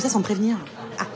あっ。